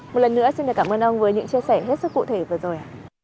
một lần nữa xin cảm ơn ông với những chia sẻ hết sức cụ thể vừa rồi